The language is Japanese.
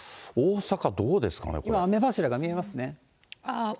今、雨柱が見えますね。